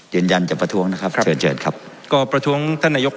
ยืนยันจะประท้วงนะครับเชิญเชิญครับก็ประท้วงท่านนายก